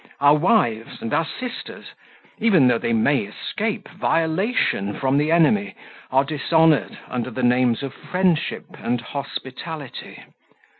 Our wives and our sisters, even though they may escape violation from the enemy, are dishonoured under the names of friendship and hospitality.